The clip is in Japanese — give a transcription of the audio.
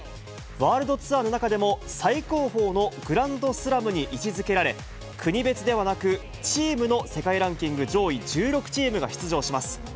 ワールドツアーの中でも最高峰のグランドスラムに位置づけられ、国別ではなく、チームの世界ランキング上位１６チームが出場します。